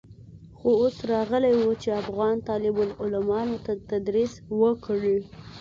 خو اوس راغلى و چې افغان طالب العلمانو ته تدريس وکړي.